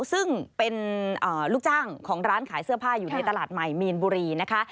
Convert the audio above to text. ซึ่งเป็นลูกจ้างของร้านขายเสื้อผ้าอยู่ในตลาดใหม่มีนบุรีนะคะ